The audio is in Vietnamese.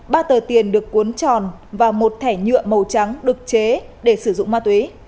ba tờ tiền được cuốn tròn và một thẻ nhựa màu trắng được chế để sử dụng ma túy